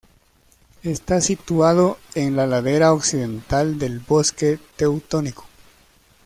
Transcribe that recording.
Está situado en la ladera occidental del bosque Teutónico.